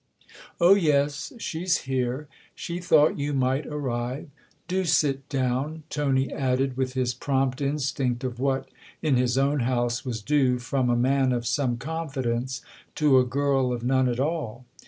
"Oh yes, she's here she thought you might THE OTHER HOUSE 91 arrive. Do sit down," Tony added with his prompt instinct of what, in his own house, was due from a man of some confidence to a girl of none at all.